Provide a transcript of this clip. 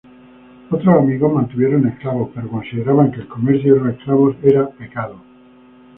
Otros amigos mantuvieron esclavos pero consideraban que el comercio de los esclavos era pecado.